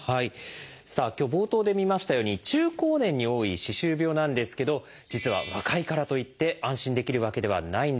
さあ今日冒頭で見ましたように中高年に多い歯周病なんですけど実は若いからといって安心できるわけではないんです。